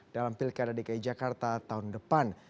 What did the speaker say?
dalam pilkada dki jakarta tahun depan